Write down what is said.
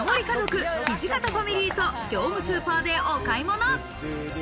家族・土方ファミリーと業務スーパーでお買い物。